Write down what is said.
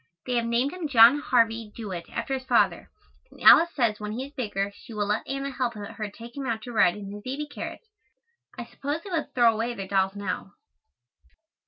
They have named him John Harvey Jewett after his father, and Alice says when he is bigger she will let Anna help her take him out to ride in his baby carriage. I suppose they will throw away their dolls now.